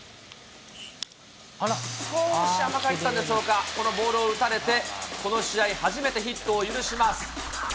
少し甘かったでしょうか、このボール打たれて、この試合初めてヒットを許します。